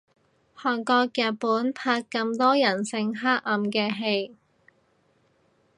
韓國日本拍咁多人性黑暗嘅戲